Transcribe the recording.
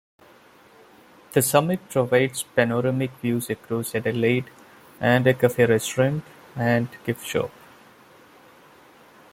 The summit provides panoramic views across Adelaide, and a cafe-restaurant and gift shop.